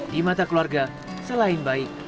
di mata keluarga selain baik